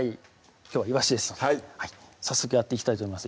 きょうはいわしですので早速やっていきたいと思います